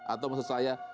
atau maksud saya